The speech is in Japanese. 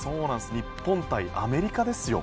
日本対アメリカですよ。